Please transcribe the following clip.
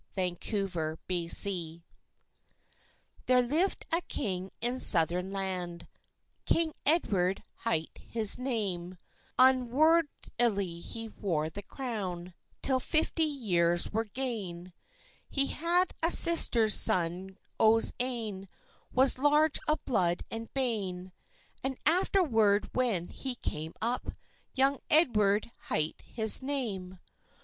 AULD MAITLAND THERE lived a king in southern land, King Edward hight his name; Unwordily he wore the crown, Till fifty years were gane. He had a sister's son o's ain, Was large of blood and bane; And afterward, when he came up, Young Edward hight his name.